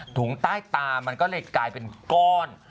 ถุงใต้ตามันก็เลยกลายเป็นก้อน